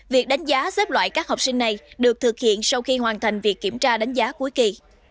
việc đánh giá xếp loại các học sinh này được thực hiện sau khi hoàn thành việc kiểm tra đánh giá cuối kỳ